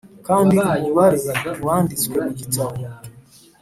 kandi umubare ntiwanditswe mu gitabo